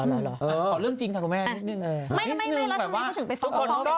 ขอเรื่องจริงทางคุณแม่นิดนึง